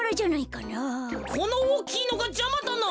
このおおきいのがじゃまだな。